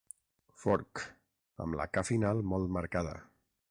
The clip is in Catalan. Fork», amb la ca final molt marcada.